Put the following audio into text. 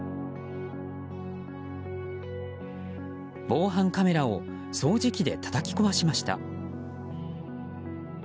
防犯カメラを掃除機でたたき壊しました。